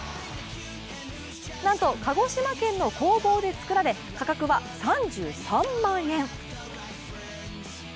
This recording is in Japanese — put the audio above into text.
なんと鹿児島県の工房で作られ価格は３３万円。